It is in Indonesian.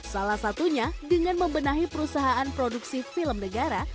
salah satunya dengan membenahi perusahaan produksi film negara